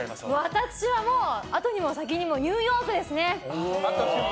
私はもう、後にも先にもニューヨークですね。